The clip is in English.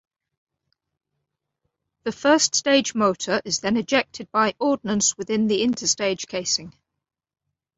The first-stage motor is then ejected by ordnance within the interstage casing.